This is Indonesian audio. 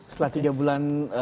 setelah tiga bulan